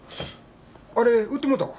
あれ売ってもうたわ。